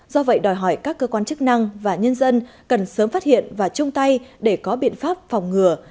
do vậy đòi hỏi các cơ quan chức năng và nhân dân cần sớm phát hiện và chung tay để có biện pháp phòng ngừa